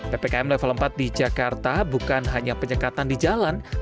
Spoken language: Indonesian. ppkm level empat di jakarta bukan hanya penyekatan di jalan